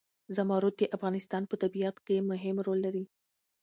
زمرد د افغانستان په طبیعت کې مهم رول لري.